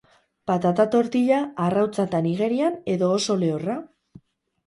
Patata tortilla arrautzatan igerian edo oso lehorra?